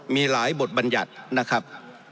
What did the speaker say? มีหลายบทบัญญัตินะครับ